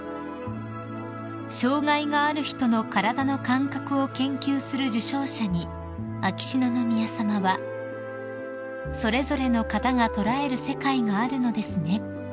［障害がある人の体の感覚を研究する受賞者に秋篠宮さまは「それぞれの方が捉える世界があるのですね」